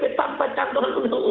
saya kira kita sudah menggugat di mk